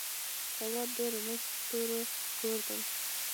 هېواد د رڼو ستورو کور دی.